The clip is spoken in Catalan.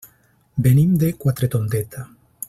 Venim de Quatretondeta.